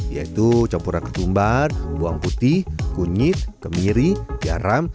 yaitu campuran ketumbar bawang putih kunyit kemiri garam